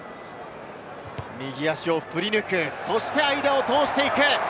右足をふり抜く、そして間を通していく。